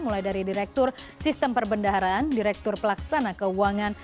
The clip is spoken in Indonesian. mulai dari direktur sistem perbendaharaan direktur pelaksana keuangan